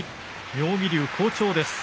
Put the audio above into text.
妙義龍、好調です。